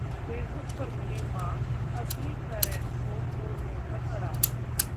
Facebook पर मिली 'मां', असली पैरेंट्स को छोड़ने पर अड़ा